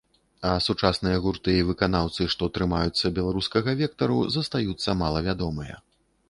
А сучасныя гурты і выканаўцы, што трымаюцца беларускага вектару, застаюцца малавядомыя.